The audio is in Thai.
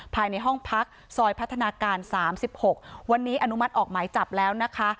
ภายในห้องพักซอยพัฒนาการ๓๖วันนี้อนุมัติออกหมายจับแล้วนะคะ